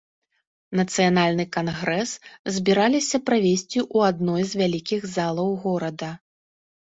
Нацыянальны кангрэс збіраліся правесці ў адной з вялікіх залаў горада.